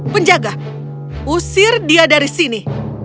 penjaga usir dia dari sini